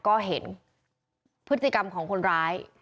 ก็เห็นพฤติกรรมของคนร้าย